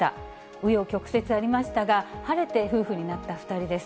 う余曲折ありましたが、晴れて夫婦になった２人です。